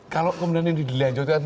kalau kemudian ini dilanjutkan